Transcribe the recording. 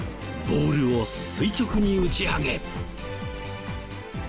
ボールを垂直に打ち上げ。